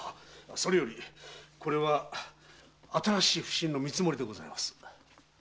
それよりこれは新しい普請の見積もりです。